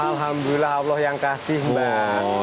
alhamdulillah allah yang kasih mbak